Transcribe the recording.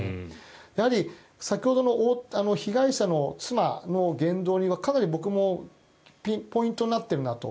やはり先ほどの被害者の妻の言動にはかなり僕もポイントになっているなと。